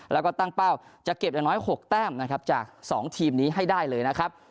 แล้วก็ตั้งเป้าจะเก็บอย่างน้อย๖แต้มนะครับจาก๒ทีมนี้ให้ได้เลยนะครับ